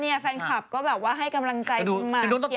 เนี่ยแฟนคลับก็แบบว่าให้กำลังใจเอามา